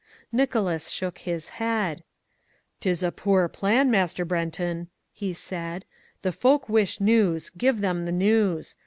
Nicholas shook his head. "'Tis a poor plan, Master Brenton," he said, "the folk wish news, give them the news.